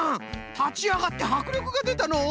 たちあがってはくりょくがでたのう。